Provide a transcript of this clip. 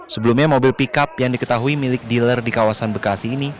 sebelumnya mobil pickup yang diketahui milik dealer di kawasan bekasi ini